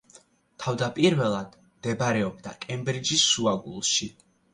თავდაპირველად მდებარეობდა კემბრიჯის შუაგულში.